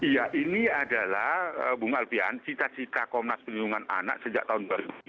ya ini adalah bunga alpian cita cita komnas perlindungan anak sejak tahun dua ribu tiga belas